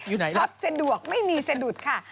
อยู่ไหนล่ะช็อปสะดวกไม่มีสะดุดค่ะ